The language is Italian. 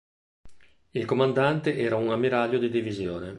Il comandante era un ammiraglio di divisione.